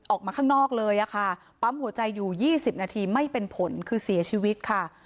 ออกมาข้างนอกเลยค่ะปั๊มหัวใจอยู่๒๐นาทีไม่เป็นผลคือเสียชีวิตค่ะ